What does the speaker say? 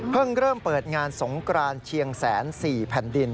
เริ่มเปิดงานสงกรานเชียงแสน๔แผ่นดิน